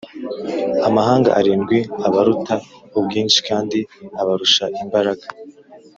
amahanga arindwi abaruta ubwinshi kandi abarusha imbaraga.